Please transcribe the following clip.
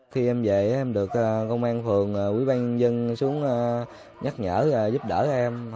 khi em về em được công an phường quỹ ban nhân dân xuống nhắc nhở giúp đỡ em